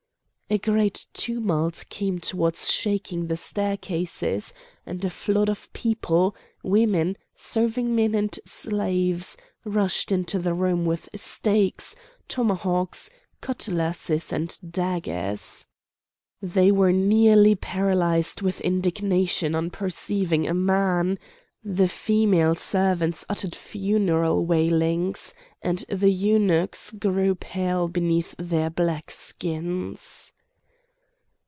A great tumult came upwards shaking the staircases, and a flood of people, women, serving men, and slaves, rushed into the room with stakes, tomahawks, cutlasses, and daggers. They were nearly paralysed with indignation on perceiving a man; the female servants uttered funeral wailings, and the eunuchs grew pale beneath their black skins.